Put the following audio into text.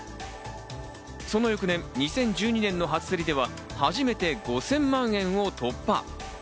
その翌年、２０１２年の初競りでは初めて５０００万円を突破。